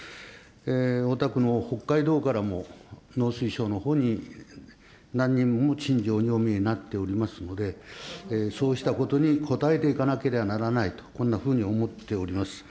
おたくの北海道からも農水省のほうに何人も陳情にお見えになっておりますので、そうしたことに応えていかなければならないと、こんなふうに思っております。